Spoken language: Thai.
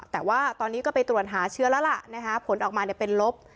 แต่ว่าตอนนี้ก็ไปตรวจหาเชื้อแล้วล่ะผลออกมาเป็นลบ